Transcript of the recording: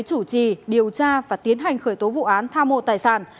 chủ trì điều tra và tiến hành khởi tố vụ án tha mô tài sản